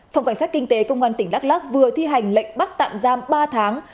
phòng cảnh sát kinh tế công an tỉnh đắk lắc vừa thi hành lệnh bắt tạm giam ba tháng